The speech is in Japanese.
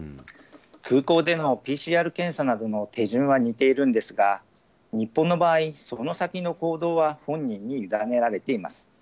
空港でのＰＣＲ検査などの手順は似ているんですが、日本の場合、その先の行動は本人に委ねられています。